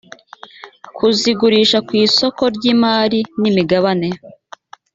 kuzigurisha ku isoko ry’imari n’imigabane